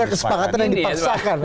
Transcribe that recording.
bukan kesepakatan yang dipaksakan